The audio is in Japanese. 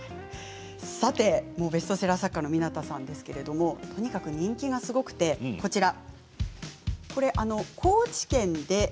さてベストセラー作家の湊さんなんですが、とにかく人気がすごくて、こちらです。